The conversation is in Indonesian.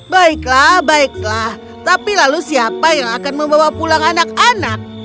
baiklah baiklah tapi lalu siapa yang akan membawa pulang anak anak